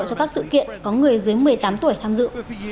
cho các sự kiện có người dưới một mươi tám tuổi tham dự